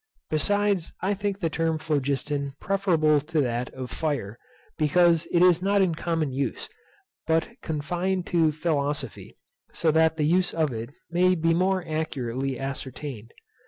Besides I think the term phlogiston preferable to that of fire, because it is not in common use, but confined to philosophy; so that the use of it may be more accurately ascertained.